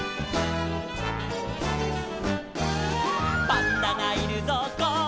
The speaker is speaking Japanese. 「パンダがいるぞこっちだ」